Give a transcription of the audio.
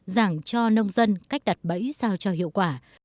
giảng cho nông dân cách đặt bẫy sao cho hiệu quả